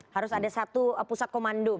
harus ada satu pusat komando